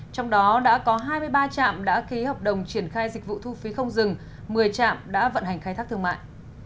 trong đó đã có hai mươi ba trạm đã ký hợp đồng triển khai dịch vụ thu phí không dừng một mươi trạm đã vận hành khai thác thương mại